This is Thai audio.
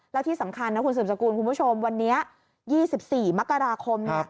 แล้วที่สำคัญนะคุณสืบสกุลคุณผู้ชมวันนี้๒๔มกราคม